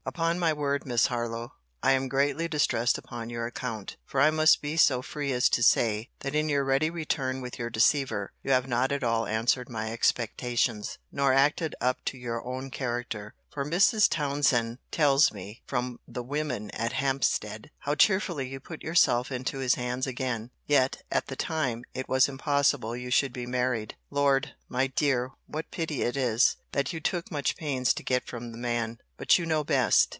Upon my word, Miss Harlowe, I am greatly distressed upon your account; for I must be so free as to say, that in your ready return with your deceiver, you have not at all answered my expectations, nor acted up to your own character; for Mrs. Townsend tells me, from the women at Hampstead, how cheerfully you put yourself into his hands again: yet, at the time, it was impossible you should be married!— Lord, my dear, what pity it is, that you took much pains to get from the man!—But you know best!